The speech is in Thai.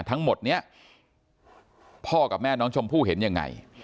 ทั้งหมดนี้พ่อกับแม่น้องชมพู่เห็นยังไง